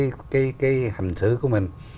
trong cái hành xứ của mình